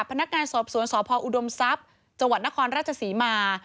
พนักงานสอบสวนสพอุดมทรัพย์จังหวัดนครราชศรีมา